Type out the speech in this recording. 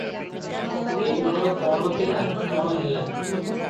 ଏଇ ଘର କଣ ଥିଲା, କଣ ହେଲା ।